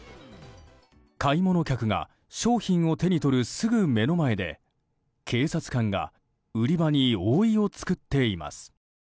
買い物客が商品を手に取るすぐ目の前で警察官が売り場に覆いを作っています。